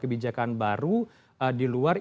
kebijakan baru di luar